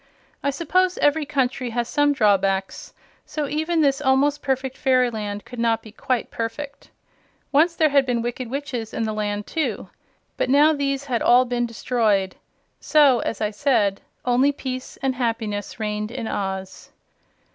I suppose every country has some drawbacks, so even this almost perfect fairyland could not be quite perfect. Once there had been wicked witches in the land, too; but now these had all been destroyed; so, as I said, only peace and happiness reigned in Oz.